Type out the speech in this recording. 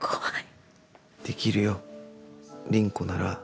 できるよ、凛子なら。